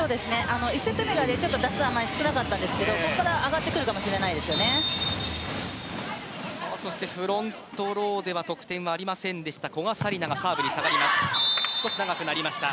１セット目が打数が少なかったんですがここから上がるフロントローでは得点がありませんでした古賀紗理那がサーブに下がります。